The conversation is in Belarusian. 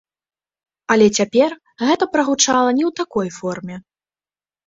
Але цяпер гэта прагучала не ў такой форме.